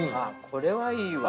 ◆これはいいわ。